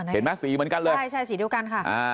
สีเหมือนกันเลยใช่ใช่สีเดียวกันค่ะ